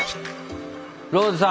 ローズさん。